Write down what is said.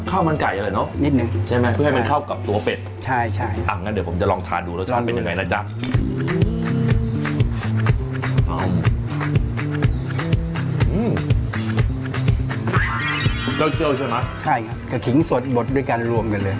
เจาะเจอใช่มะใช่ครับกระทิงสดบดด้วยการรวมกันเลย